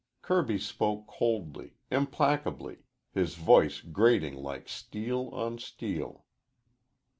Kirby spoke coldly, implacably, his voice grating like steel on steel.